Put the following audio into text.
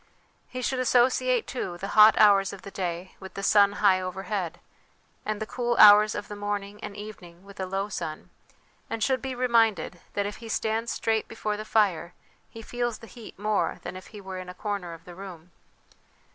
He should associate, too, the hot hours of the day with the sun high overhead, and the cool hours of the morning and evening with alow sun ; and should be reminded, that if he stands straight before the fire, he feels the heat more than if he were in a corner of the room.